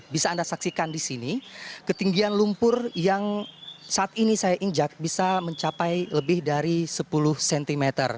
bisa anda saksikan di sini ketinggian lumpur yang saat ini saya injak bisa mencapai lebih dari sepuluh cm